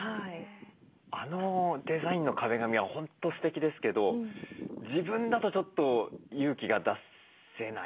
あのデザインの壁紙は本当ステキですけど自分だとちょっと勇気が出せない。